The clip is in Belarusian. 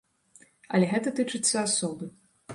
Але гэта тычыцца асобы.